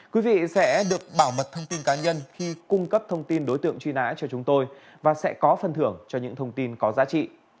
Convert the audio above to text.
quý vị sẽ được bảo mật thông tin cá nhân khi cung cấp thông tin đối tượng truy nã cho chúng tôi và sẽ có phần thưởng cho những thông tin có giá trị